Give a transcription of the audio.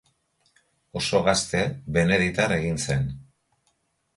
Oso gazte beneditar egin zen.